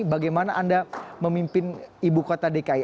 bagaimana anda memimpin ibu kota dki